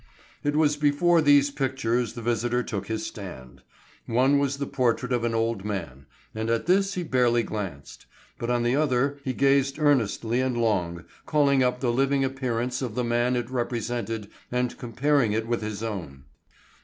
It was before these pictures the visitor took his stand. One was the portrait of an old man, and at this he barely glanced. But on the other he gazed earnestly and long, calling up the living appearance of the man it represented and comparing it with his own.